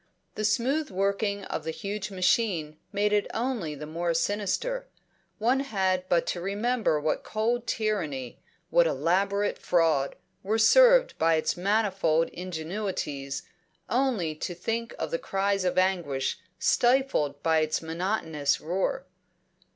The smooth working of the huge machine made it only the more sinister; one had but to remember what cold tyranny, what elaborate fraud, were served by its manifold ingenuities, only to think of the cries of anguish stifled by its monotonous roar.